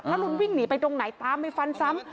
แล้วลุงวิ่งหนีไปตรงไหนตามไปฟันซ้ำ